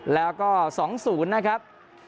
แล้วก็๒๐นะครับ